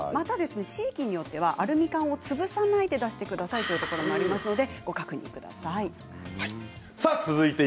地域によってはアルミ缶を潰さないで出してくださいというところもありますのでご確認ください。